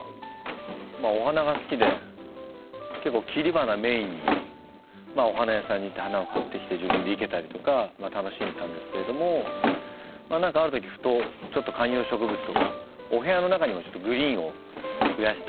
お花が好きで結構切り花メインでお花屋さんに行って花を買ってきて自分で生けたりとか楽しんでたんですけれども何かあるときふとちょっと観葉植物とかお部屋の中にもグリーンを増やしたいなと思い始めて。